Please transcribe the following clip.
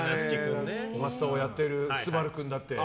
「おはスタ」もやってる昴君だって。